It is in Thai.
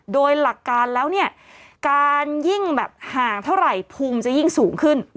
โดยหลักการแล้วเนี่ยการยิ่งแบบห่างเท่าไหร่ภูมิจะยิ่งสูงขึ้น